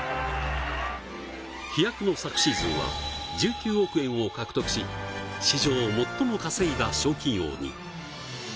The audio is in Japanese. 飛躍の昨シーズンは１９億円を獲得し史上最も稼いだ賞金王に。